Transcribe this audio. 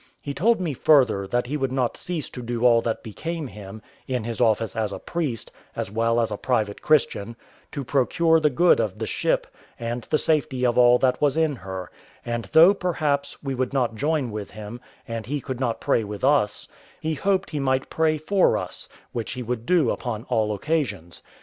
He told me further, that he would not cease to do all that became him, in his office as a priest, as well as a private Christian, to procure the good of the ship, and the safety of all that was in her; and though, perhaps, we would not join with him, and he could not pray with us, he hoped he might pray for us, which he would do upon all occasions.